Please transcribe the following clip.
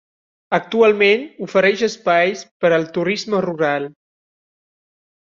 Actualment ofereix espais per al turisme rural.